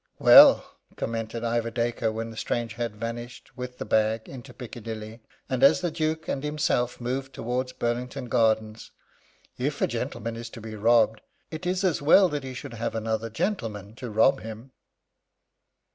"Well," commented Ivor Dacre, when the stranger had vanished, with the bag, into Piccadilly, and as the Duke and himself moved towards Burlington Gardens, "if a gentleman is to be robbed, it is as well that he should have another gentleman to rob him."